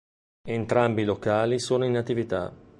Entrambi i locali sono in attività.